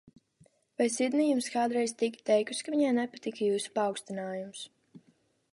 Vai Sidnija jums kādreiz tika teikusi, ka viņai nepatika jūsu paaugstinājums?